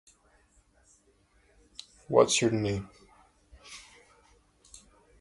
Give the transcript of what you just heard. He was asked to illustrate the first story published in the new "Strand Magazine".